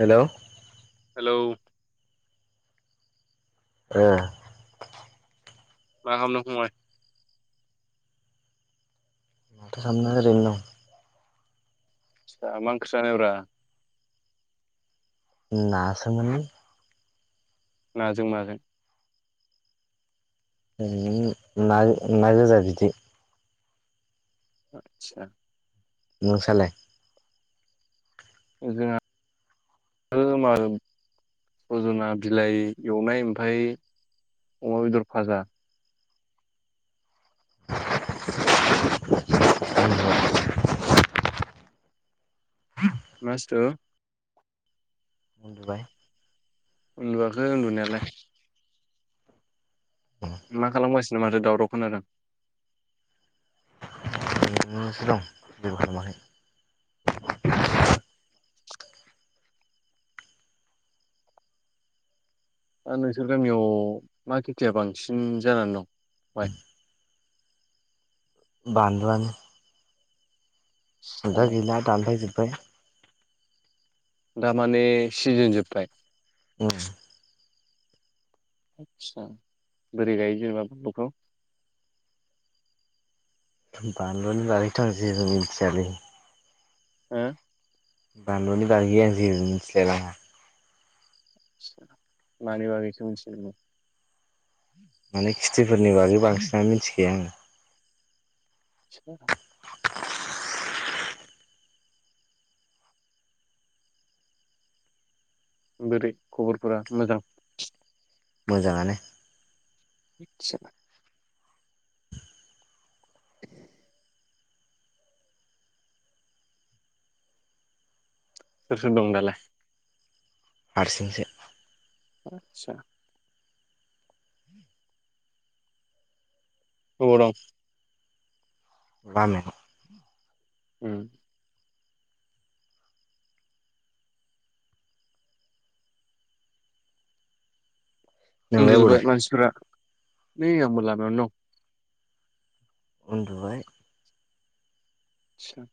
Hello, hello, ओ मा खालामदों फंबाय माथो खामनो ओरैनो दं। मा ओंख्रि जानायब्रा ना सोमोन नाजों माजों ओं ना ना गोजा बिदै। आतसा नोंसा लाय। जोंहा [unintelligible] सजना बिलाइ एवनाय ओमफफ्राय अमा बेदर फाजा। [unintelligible] मासतु उन्दुबाय उन्दुवाखै उन्दुनायालाय। मा खालामगासिनो माथो दावराव खोनादों। उन्दुबाय नोंसो दं जेबो खालामाखै आतसा ओ नोंसोर गामियाव मा खेथिया बांसिन जानानै दं माइ [inaudible] बानलु आनो। ओमफाय गैला दानफायजोब्बाय। दामाने सिजोन जोबबाय। उम आतसा बोरै गायो जेनेबा बमलुखौ? बानलुनि बागै आंथ जेबो मिथियालै। हो बानलुनि बागै आं जेबो मिथिलाइ लांआ। आदसा मानि बागैथो मिथिओ नोंलाय। माने खिथिफोरनि बागै बांसिनानो मिथिखाया आङो ‌ सो [inaudible] बोरै खबरफोरा मोजां। मोजाङ आनो‌ [unintelligible] [unintelligible] सोर सोर दं दालाय? हारसिं सो। आतसा ओबाव दं? बामने उम नोंलाय अबाव दं उन्दुजोब्बाय मानसिफोरा नै आंबो लामायावनो दं। उन्दुबाय। सा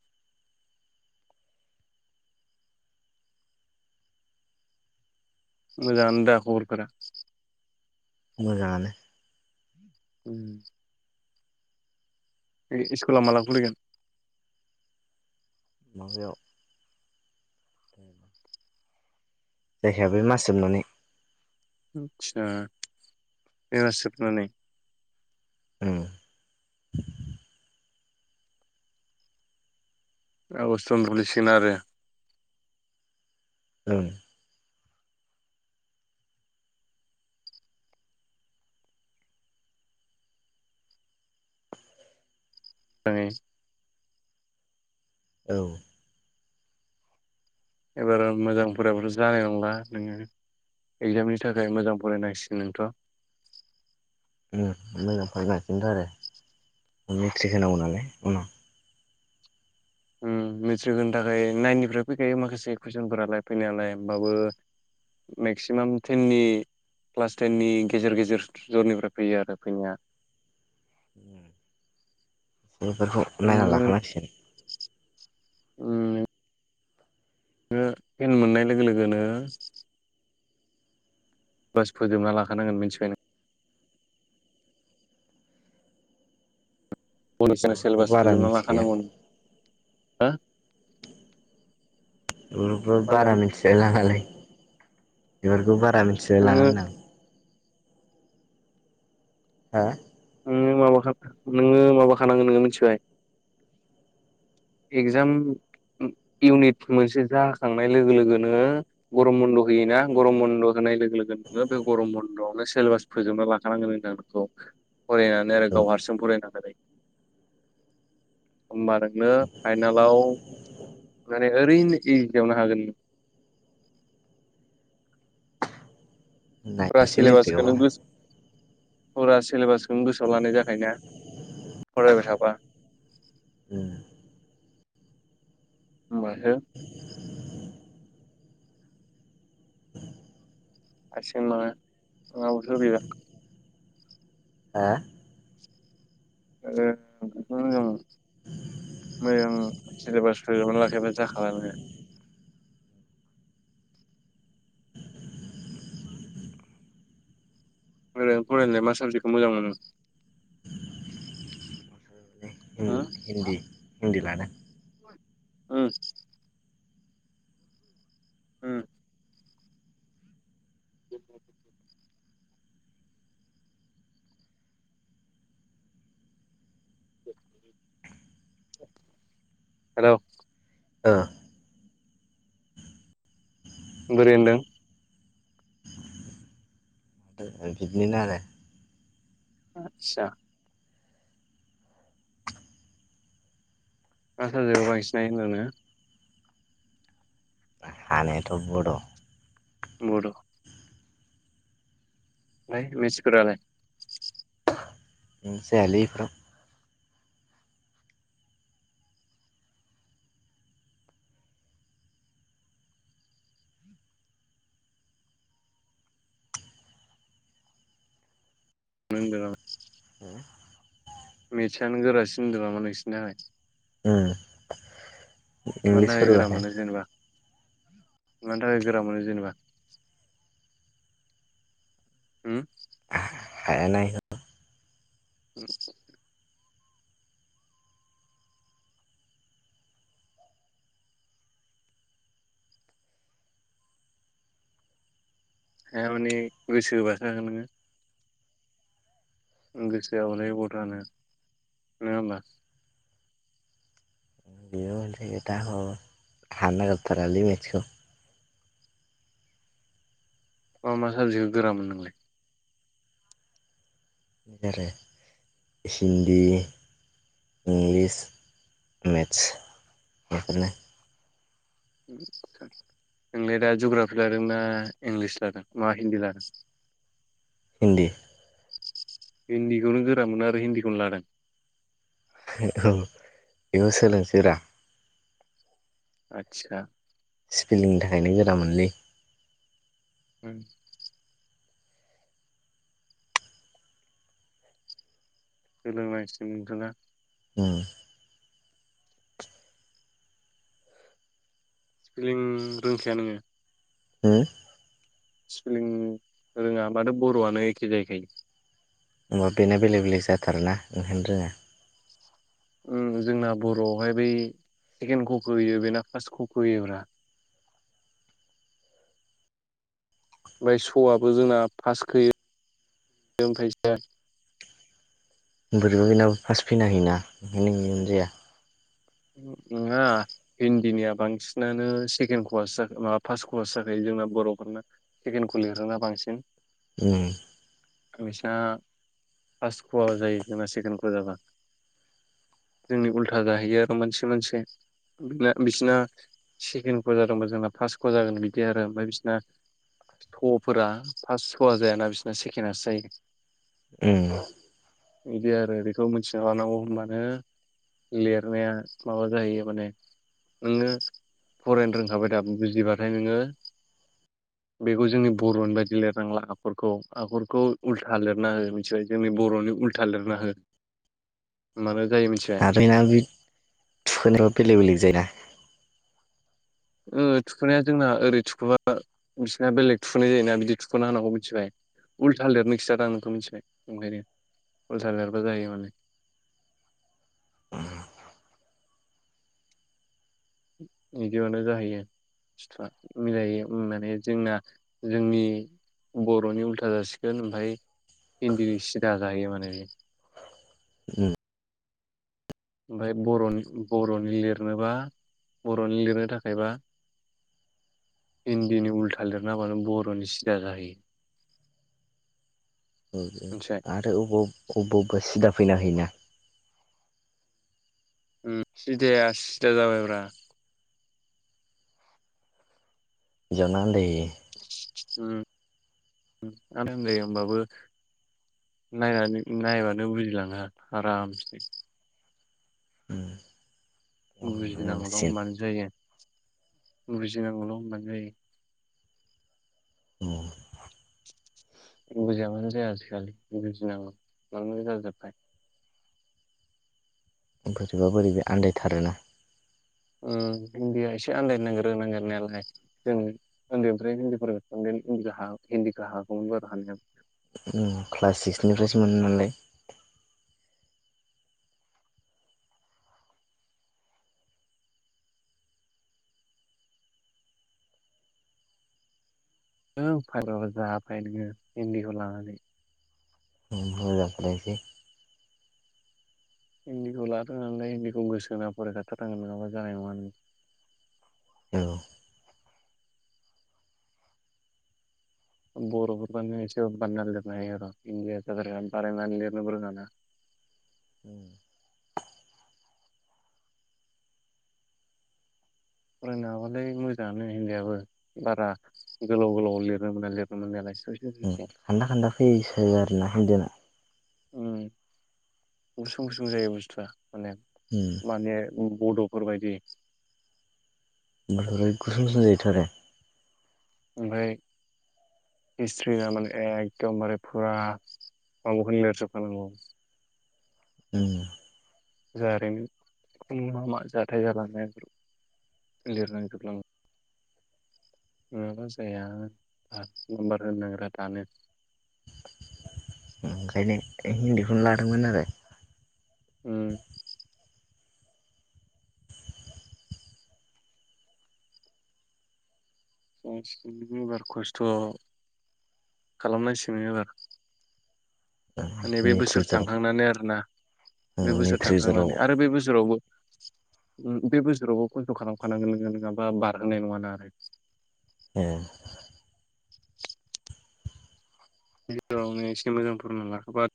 मोजां दा खरफोरा। मोजाङानो। उम ओय स्कुला माला खुलिगोन? माबायाव। जायखाया बे मास जोब ननानै। आदसा बे मास जोबनानै। औ आगष्टनिखुलि सिगोन आरो। ओम जोंनि औ एबार मोजांफोराबोथ' जानाय नंला नोङो। एगजामनि थाखाय मोजां फरायनांसिग नोंथ'। ओम। मोजां फरायनांसिगोनथ' आरो आरो मेट्रिक होनांगौ नालाय उनाव। ओम। मेट्रिक होनो थाखाय नाइन निफ्राय फैखायो माखासे कुइसनफोरालाय फैनायालाय होमबाबो मेक्सिमाम टेननि क्लास टेननि गेजेर गेजेर जरनिफ्राय फैयो आरो फैनाया। [inaudible] बेफोरखौ नायना नोङो लाखानांसिगोन। उम। नों टेन मोननाय लोगो लोगोनो बास फोजोबना लाखानांगोन मिथिबाय नों। [unintelligible] बेफोरखौथ' सेलेबासखौ बारा फोजोबना मा मिथिखाया खालामनांगौ हा। बेफोरखौ बारा मिथिलाय लाङालै बेफोरखौ बारा आं मिथिलाय लाङा नोङो होनदों। हा? नोङो माबाखाना नोङो माबाखानांगोन नोङो मिथिबाय। एक्जाम इउनिट मोनसे जाखांनाय लोगो लोगोनो गरम बन्द' होयोना गरम बन्द' होनाय लोगो लोगो लोगो नोङो बे गरम बन्द'आवनो सिलेबास फोजोबना लाखानांगोन होनदों आं नोंखौ। फरायनानै आरो औ गाव हारसिं फरायना। होनबा नोङो फाइनालाव माने ओरैनो एजिआवनो हागोन। फुरा नायनोसै सेलेबासखौ मेट्रिकआवबा नों गोस फुरा सेलेबास नों गोसोआव लानाय जाखायोना फरायबाय थाबा। उम होमबासो [inaudible] [unintelligible] हा? [unintelligible] मोजां सेलेबास फोजोबना लाखायाबा जाखाला नों। मोजाङै फरायनोलाय मा साबजेक्टखौ मोजां मोनो? हो उम हिन्दि हिन्दि लादों। उम। उम। [inaudible] [inaudible] हेलौ। ओ। बोरै मोनदों? बिदिनो आरो। आतसा। मा साबजेकाव बांसिन हायो होनदों नोङो? हानायाथ' बड'। बड'। मेटसफोरालाय? जायालै बिफोराव। [unintelligible] उम। मेतसायानो गोरासिन होनदों नामा नोंसिनि थाखाय। मानो थाखाय इंलिसफोरबो गोरा मोनो जेनेबा? मानि थाखाय गोरा मोनो जेनेबा? उम हायाना एखौ उम हाया माने गोसो होबोसो हागोन नोङो। ओ गोसोहोआबालाय बहाथो हानो नङा होमबा। बि माने दा ह हानोनागिरथारालै मथसखौ। मा मा साबजेक्टखौ गोरामोनो नोंलाय? आरो हिन्दि इंलिस, मेथस बेफोरनो [unintelligible] उम आदसा नोंलाय दा जुग्राफि लादों ना इंलिस लादों ना हिन्दी लादों? हिन्दि हिन्दिखौनो गोरा मोनो आरो हिन्दीखौनो लादों? औ बेखौ सोलोंसैब्रा आदसा सोलोंनो थाखायनो गोरा मोनलै उम सोलोंनायसै नोंथाङा उम फिलिं रोंखाया नोङो। हो स्पेलिं रोङा माथो बर'आनो एखे जाहैखायो। होमबाबो बेना बेलेग बेलेक जाथारोना ओंखायनो रोङा। उम जोंना बर'आवहाय बै सेकेणड खक' होयो बेना फार्स्ट कखौ' होयोब्रा। ओमफाय स'आबो जोंना फास्टखोयो। [unintelligible] बोरैबा बेनाबो फार्स्ट फैना हैयना ‌ओंखायनो इनियनो जाया नङा हिन्दिनिया बांसिनानो सेकेणड क ज माबा फार्स्ट कवास जाखायो। जोंना बर'फोरना सेकेणड कलिरोना बांसिन उम बिसना फार्स्ट ख आजायो जोंना सेकेणड ख जागोन जोंनि उल्था जाहैयो आरो मोनसे मोनसे बिना बिसिना सेकेणडखौ जादोंबा जोंना फार्स्टखौ जागोन बिदि आरो ओमफाय बिसना थ'फोरा फार्स्ट 'स जायाना बिसोरना सेकेणडआसो जायो। उम बिदि आरो बेखौ मिथिना लानांगौ होनोमबानो लिरनाया माबा जाहैयो माने नोङो फरायनो रोंखाबाय दा बुजिबाथाय नोङो। बेखौ जोंनि बर'नि बायदि लिरनांला आखरखौ आखरखौ उल्था लिरना हो मिथिबाय जोंनि बर'नि उल्था लिरना हो‌ होमबानो आरो एना बे थुखोनायाबो बेलेग बेलेग जायोना। ओ थुखोननाया जोंना ओरै थुखोबा बिसिना बेलेग थुखोननाय जायोना बिदि थुख'ना होनांगौ मिथिबाय। उल्था लिरनो खिथादों नोंखौ मिथिबाय ओंखायनो उल्था लेरबा जायो माने [inaudible] इदियावनो जाहैयो फिथा मिलायो माने जोंना जोंनि बर'नि उल्था जासिगोन ओमफाय हिन्दिनि सिदाजाहैयो माने बे उम ओमफाय बर'नि बर'नि लिरनोबा बर'नि लिरनो थाखायबा हिन्दीनि उल्था लिरना होबानो बर'नि सिदा जाहैयो। औ औ मिथिबाय आरो अबाव अबावबा अबावबा सिदा फैना होयोना। उम सिदाया सिदा जाबायब्रा। इदियावनो आनदायो। उम [unintelligible] होमबाबो नायनानै नायबानो बुजिलाङो आरामसे। उम बुजिनांगौल' नांसिगोन होनबानो जायो बुजिनांगौल' होनबानो जायो। औ मोजां बुजाया आजिखालि बुजिनांगौ [unintelligible] जाजोब्बाय। बोरैबा बोरैबा आन्दायथारोना। उम हिन्दी आ एसे आन्दायनो नागिरो नांगेरनायालाय जों उन्दैनिफ्राय हिन्दीफोरोङो हिन्दि हा हिन्दिखो हागोमोन बारु हानाया। उम क्लास सिक्सनिफ्रायसो मोनो नालाय। ओं फायदाबो जाया फाइबो हिन्दिखो लानानै। मोजां खोनायासै। हिन्दीखौ लादों नालाय हिन्दीखौ गोसो होना फराय खाथारांगोन नोङाबा जानाय नङा नों। औ। बर'खौबा नों मोनसेबाबो बानायना लिरनो हायो र' हिन्दिया जाद्राया बानायनानै लिरनोबो रोङा ना। [inaudible] उम फरायनो हाबालाय मोजाङानो हिन्दियाबो बारा गोलाव गोलाव लिरनो मोना लिरनो मोननायालाय। उम [unintelligible] खान्दा खान्दा फैयोसो आरोना हिन्दिया। उम गुसुं गुसुं जायो बुस्थुआ। माने उम माने बड'फोरबायदि। बेफोरबो गुसुं गुसुं जायोथ' आरो। ओमफ्राय हिस्ट्रिना माने एकदमबारे फुरा माबाखौनो लिरजोबखानांगौ। उम जारिमिन मा मा जाथाय जालांनाय बेफोर [unintelligible] [unintelligible] [inaudible] ओखायनो हिन्दीखौनो लादों मोन आरो। ओम। गसिबो एबार खस्थ' खालामनांसिगोन एबार माने बे बोसोर मेट्रिक थांखांनानै आरोना बे जराव बोसोर मेट्रिक जराव थांखांनानै आरो बे बोसोरावबो बे बोसोरावबो खस्थ' खालामखानांगोन नोङो नङाबा बारहोनाय नङाना आरो। ए। गेजेरावनो एसे मोजां फोरोंना लाखोबा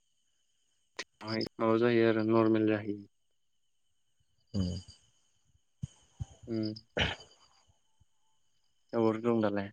माबा जायो आरो नरमेल जाहै उम। उम अबावथो दं दालाय